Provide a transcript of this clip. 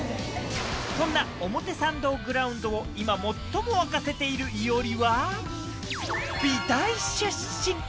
そんな表参道ＧＲＯＵＮＤを今、最も沸かせているいおりは、美大出身。